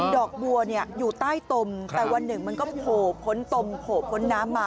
ดอกบัวเนี่ยอยู่ใต้ตมแต่วันหนึ่งมันก็โผล่พ้นตมโผล่พ้นน้ำมา